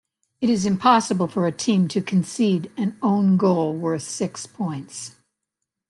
It is impossible for a team to concede an own goal worth six points.